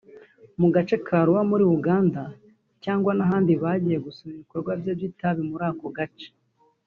mu gace ka Arua muri Uganda cyangwa n’ahandi bagiye gusura ibikorwa bye by’itabi muri ako gace